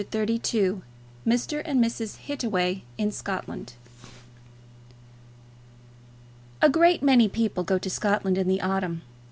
CHAPTER XXXII Mr. and Mrs. Hittaway in Scotland A great many people go to Scotland in the autumn.